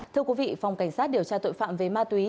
thưa quý vị phòng cảnh sát điều tra tội phạm về ma túy